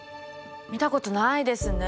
見たことないですね。